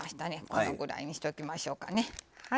このぐらいにしときましょうかね。